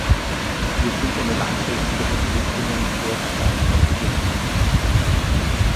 Wir sind eine langfristige Verpflichtungen für Afghanistan eingegangen.